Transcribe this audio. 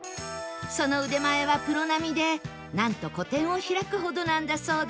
その腕前はプロ並みでなんと個展を開くほどなんだそうです